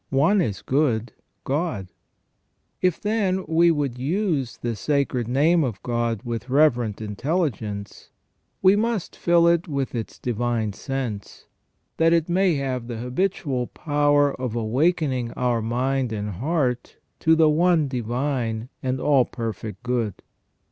one is good, God ". If, then, we would use the Sacred Name of God with reverent intelligence, we must fill it with its divine sense, that it may have the habitual power of awakening our mind and heart to the One Divine and All perfect Good.